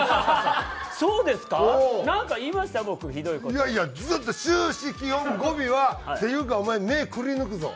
いやいやずっと終始基本語尾は「っていうかお前目くりぬくぞ」。